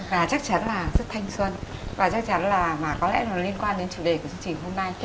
và chắc chắn là rất thanh xuân và chắc chắn là có lẽ nó liên quan đến chủ đề của chương trình hôm nay